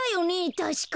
たしか。